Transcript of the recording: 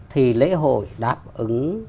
thì lễ hội đáp ứng